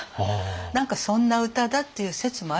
何かそんな歌だっていう説もあるんです。